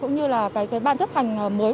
cũng như là cái ban chấp hành mới